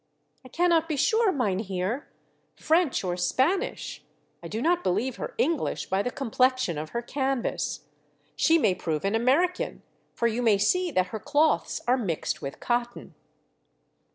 «* I cannot be sure, mynheer ; French or Spanish ; I do not believe her English by the complexion of her canvas. She may prove an American, for you may see that her cloths are mixed with cotton."